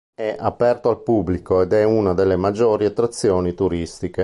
È aperto al pubblico ed è una delle maggiori attrazioni turistiche.